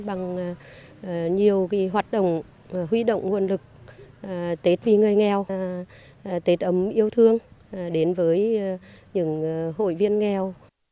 bằng nhiều hoạt động huy động nguồn lực tết vì người nghèo tết ấm yêu thương đến với những hội viên nghèo